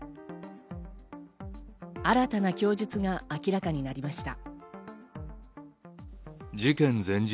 新たな供述が明らかになりました。